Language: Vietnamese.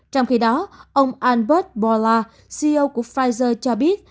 trong khi đó ông albert bola ceo của pfizer cho biết